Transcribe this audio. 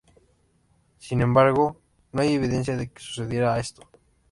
Sin embargo, no hay evidencia de que sucediera esto.